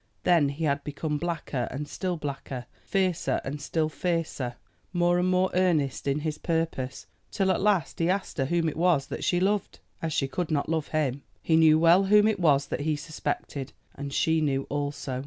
Then he had become blacker and still blacker, fiercer and still fiercer, more and more earnest in his purpose, till at last he asked her whom it was that she loved as she could not love him. He knew well whom it was that he suspected; and she knew also.